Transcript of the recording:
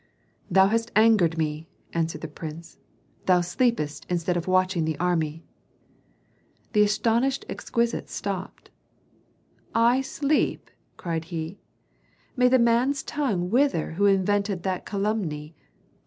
"Thou hast angered me," answered the prince. "Thou sleepest instead of watching the army." The astonished exquisite stopped. "I sleep?" cried he. "May the man's tongue wither up who invented that calumny!